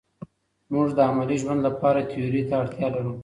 موږ د عملي ژوند لپاره تیوري ته اړتیا لرو.